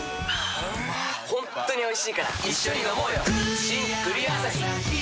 ホントにおいしいから一緒にのもうよ